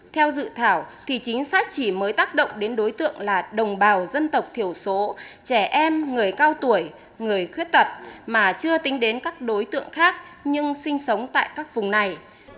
theo dự thảo thì chính sách chỉ mới tác động đến đối tượng là đồng bào dân tộc thiểu số trẻ em người cao tuổi người khuyết tật mà chưa tính đến các đối tượng khác nhưng sinh sống tại các vùng này